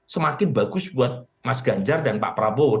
semakin bagus buat mas ganjar dan pak prabowo